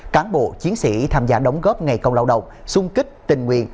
cáng bộ chiến sĩ tham gia đóng góp ngày công lao động xung kích tình nguyện